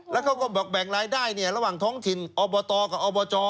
แล้วเขาก็บอกแบ่งรายได้ระหว่างท้องถิ่นอบตกับอบจ